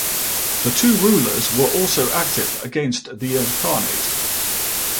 The two rulers also were active against the Ilkhanate.